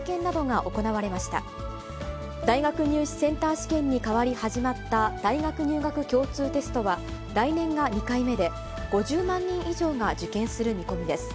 試験に代わり始まった大学入学共通テストは、来年が２回目で、５０万人以上が受験する見込みです。